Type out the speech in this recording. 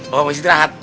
oh mau istirahat